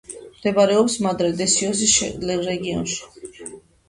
მდებარეობს მადრე-დე-დიოსის რეგიონში.